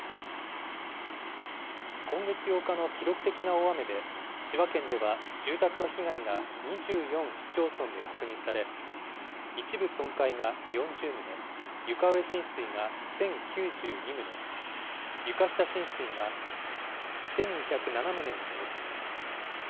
今月８日の記録的な大雨で、千葉県では住宅の被害が２４市町村で確認され、一部損壊が４０棟、床上浸水が１０９２棟、床下浸水が１２０７棟に上っています。